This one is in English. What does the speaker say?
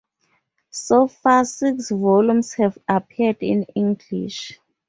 So far six volumes have appeared in English.